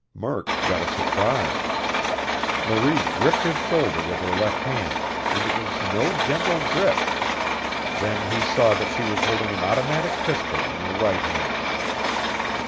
Murk got a surprise. Marie gripped his shoulder with her left hand and it was no gentle grip. Then he saw that she was holding an automatic pistol in her right hand.